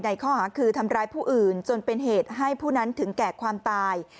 ข้อหาคือทำร้ายผู้อื่นจนเป็นเหตุให้ผู้นั้นถึงแก่ความตาย